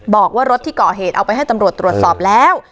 บอกว่ารถที่ก่อเหตุเอาไปให้ตำรวจตรวจสอบแล้ว